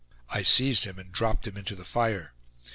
I seized him, and dropped him into the fire.